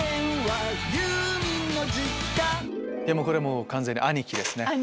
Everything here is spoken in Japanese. これもう完全に兄貴ですね